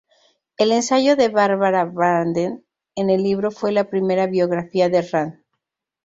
El ensayo de Barbara Branden en el libro fue la primera biografía de Rand.